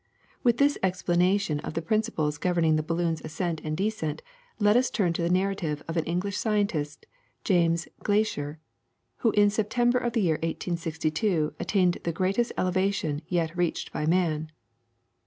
With this explanation of the principles governing the balloon's ascent and descent let us turn to the narrative of an English scientist, James Glaisher, who in September of the year 1862 attained the greatest elevation yet reached by man.